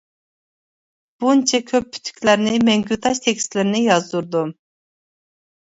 بۇنچە كۆپ پۈتۈكلەرنى. مەڭگۈ تاش تېكىستلىرىنى يازدۇردۇم.